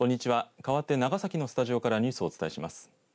かわって長崎のスタジオからニュースをお伝えします。